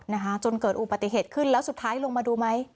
นะคะจนเกิดอุบัติเหตุขึ้นแล้วสุดท้ายลงมาดูไหม